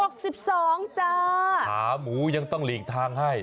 ขาหมูยังต้องหลีกทางให้